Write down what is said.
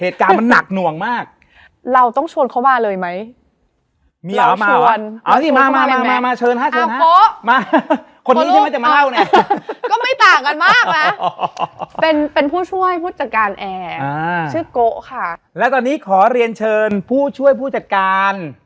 ทุกคนนะอยู่ด้วยกัน